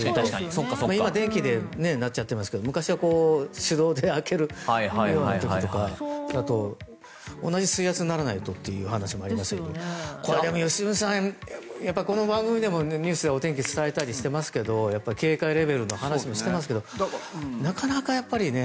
今、電気でなっちゃっていますけど昔は手動で開けるような時とか同じ水圧にならないとという話もありますけどでも、良純さんこの番組でもニュースでお天気伝えたりしてますけど警戒レベルの話もしてますけどなかなかやっぱりね。